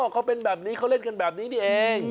เขาเป็นแบบนี้เขาเล่นกันแบบนี้นี่เอง